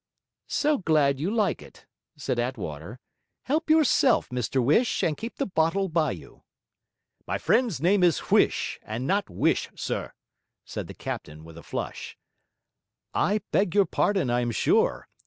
'So glad you like it,' said Attwater. 'Help yourself, Mr Whish, and keep the bottle by you.' 'My friend's name is Huish and not Whish, sit,' said the captain with a flush. 'I beg your pardon, I am sure.